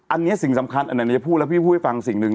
อันนี้สิ่งสำคัญอันไหนจะพูดแล้วพี่พูดให้ฟังสิ่งหนึ่ง